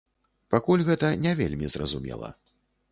Пакуль гэта не вельмі зразумела.